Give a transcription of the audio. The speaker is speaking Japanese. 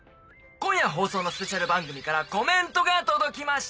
今夜放送のスペシャル番組からコメントが届きました！